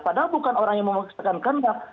padahal bukan orang yang memaksakan kendap